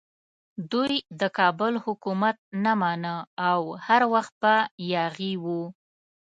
دوی د کابل حکومت نه مانه او هر وخت به یاغي وو.